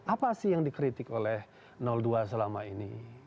apa sih yang dikritik oleh dua selama ini